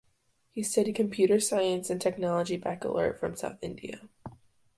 He Studied computer science and technology baccalaureate from South India.